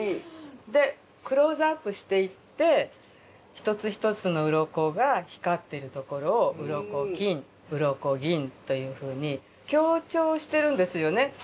でクローズアップしていって一つ一つの鱗が光っているところを「鱗金鱗銀」というふうに強調してるんですよね。